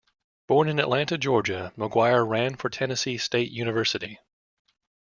Born in Atlanta, Georgia, McGuire ran for Tennessee State University.